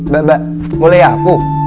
bapak boleh aku